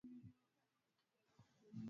ili tuweze tuamini kile walichokitaka wao